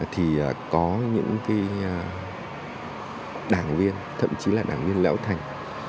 thì có những đảng viên thậm chí là đảng viên lão thành